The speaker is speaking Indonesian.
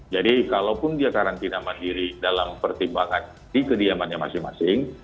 jadi kalaupun dia karantina mandiri dalam pertimbangan di kediamannya masing masing